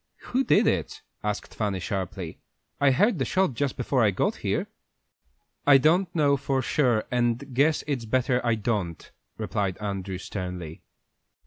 "Who did it?" asked Fanny, sharply. "I heard the shot just before I got here." "I don't know for sure, and guess it's better I don't," replied Andrew, sternly.